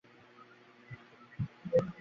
আমার অভিনয় খুব ভাল হচ্ছে মা।